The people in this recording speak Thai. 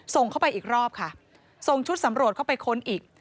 ส่งเข้าไปอีกรอบค่ะส่งชุดสำรวจเข้าไปค้นอีก